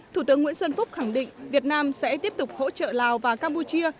thủ tướng nguyễn xuân phúc khẳng định việt nam sẽ tiếp tục hỗ trợ lào và campuchia